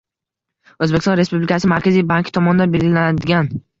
O‘zbekiston Respublikasi Markaziy banki tomonidan belgilanadigan